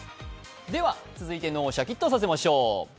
続いて、脳をシャキッとさせましょう。